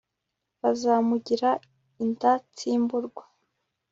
buzamugira indatsimburwa